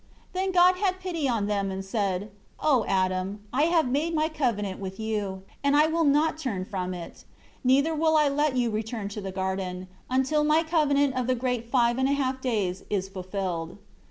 2 Then God had pity on them, and said: "O Adam, I have made My covenant with you, and I will not turn from it; neither will I let you return to the garden, until My covenant of the great five and a half days is fulfilled."